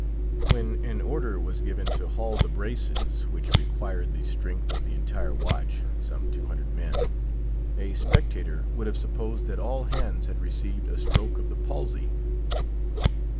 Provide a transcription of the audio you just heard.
When an order was given to haul the braces—which required the strength of the entire watch, some two hundred men—a spectator would have supposed that all hands had received a stroke of the palsy.